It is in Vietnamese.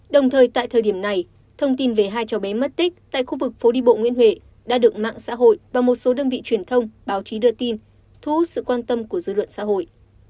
đồng thời tại thời điểm này thông tin về hai cháu bé mất tích tại khu vực phố đi bộ nguyễn huệ đã được mạng xã hội và một số đơn vị truyền thông báo chí đưa tin thu hút sự quan tâm của dư luận xã hội